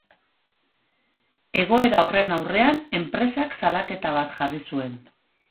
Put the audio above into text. Egoera horren aurrean, enpresak salaketa bat jarri zuen.